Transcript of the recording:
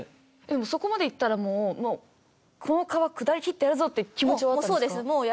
そこまでいったらもうこの川下りきってやるぞっていう気持ちはあった？